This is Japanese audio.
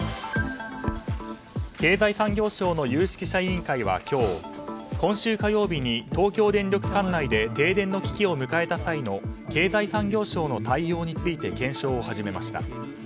経済産業省の有識者委員会は今日今週火曜日に東京電力管内で停電の危機を迎えた際の経済産業省の対応について検証を始めました。